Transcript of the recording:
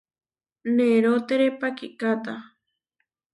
Nerótere pakikáta.